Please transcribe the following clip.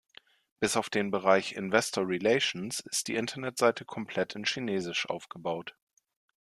Bis auf den Bereich „Investor Relations“ ist die Internetseite komplett in chinesisch aufgebaut.